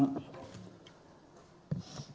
mempunyai karakter yang